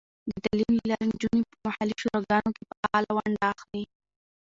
د تعلیم له لارې، نجونې په محلي شوراګانو کې فعاله ونډه اخلي.